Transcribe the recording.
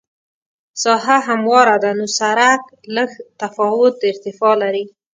ساحه همواره ده نو سرک لږ تفاوت د ارتفاع لري